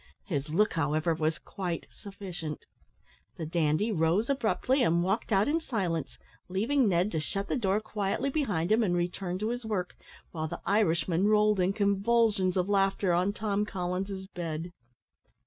His look, however, was quite sufficient. The dandy rose abruptly, and walked out in silence, leaving Ned to shut the door quietly behind him and return to his work, while the Irishman rolled in convulsions of laughter on Tom Collins's bed.